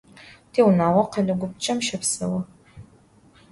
Tiunağo khele gupçem şepseu.